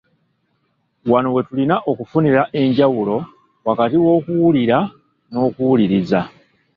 Wano we tulina okufunira enjawulo wakati w’okuwulira n’okuwuliriza.